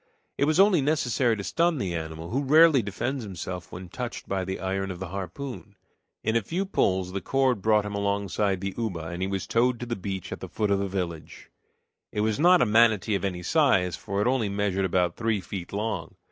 It was only necessary to stun the animal, who rarely defends himself when touched by the iron of the harpoon. In a few pulls the cord brought him alongside the uba, and he was towed to the beach at the foot of the village. It was not a manatee of any size, for it only measured about three feet long.